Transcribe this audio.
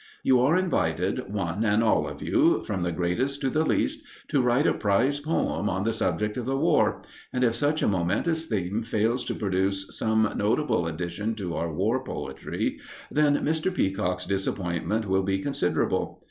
You are invited, one and all of you, from the greatest to the least, to write a prize poem on the subject of the War, and if such a momentous theme fails to produce some notable addition to our war poetry, then Mr. Peacock's disappointment will be considerable.